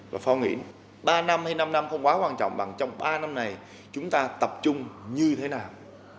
và khoa nghĩ ba năm hay năm năm không quá quan trọng bằng trong ba năm này chúng ta tập trung như thế nào